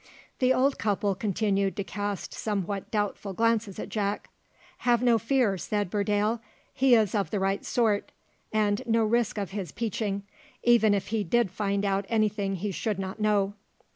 The old couple continued to cast somewhat doubtful glances at Jack. "Have no fear," said Burdale; "he is of the right sort, and no risk of his peaching, even if he did find out any thing he should not know."